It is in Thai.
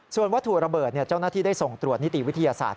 ส่วนวัตถุระเบิดเจ้าหน้าที่ได้ส่งตรวจนิติวิทยาศาสตร์